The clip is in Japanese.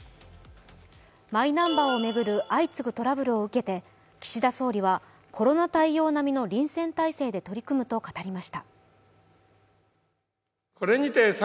マイナンバーを巡る相次ぐトラブルを受けて岸田総理はコロナ対応並みの臨戦態勢で取り組むと話しました。